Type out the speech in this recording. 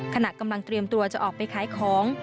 ขณะกำลังเตรียมตัวจะออกไปขายของ